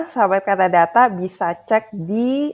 sahabat katadata bisa cek di